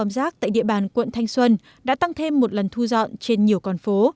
rác tại địa bàn quận thanh xuân đã tăng thêm một lần thu dọn trên nhiều con phố